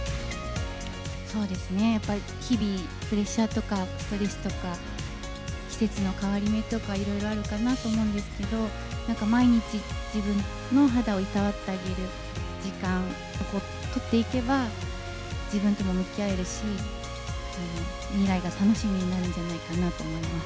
そうですね、やっぱり、日々、プレッシャーとか、ストレスとか、季節の変わり目とかいろいろあるかなと思うんですけど、なんか毎日自分の肌を労わってあげる時間を取っていけば、自分とも向き合えるし、未来が楽しみになるんじゃないかなと思います。